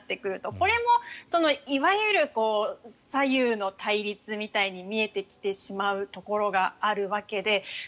これも、いわゆる左右の対立みたいに見えてきてしまうところがあるわけで。